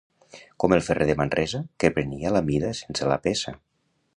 Com el ferrer de Manresa, que prenia la mida sense la peça.